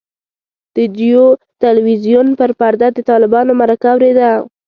د جیو تلویزیون پر پرده د طالبانو مرکه اورېده.